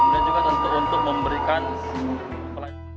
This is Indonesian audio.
dan juga tentu untuk memberikan pelayanan